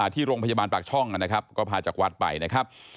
ที่โรงพยาบาลปากช่องนะครับก็พาจากวัดไปนะครับ